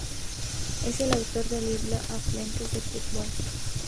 Es el autor del libro "Afluentes del fútbol".